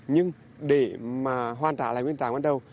nhưng để mà hoàn trả lại nguyên tảng bắt đầu